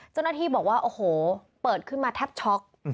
เจ้าหน้าที่บอกว่าโอ้โหเปิดขึ้นมาแทบช็อก